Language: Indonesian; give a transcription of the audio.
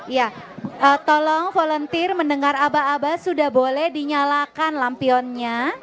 ya tolong volunteer mendengar aba aba sudah boleh dinyalakan lampionnya